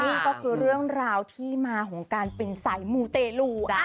นี่ก็คือเรื่องราวที่มาของการเป็นสายมูเตลู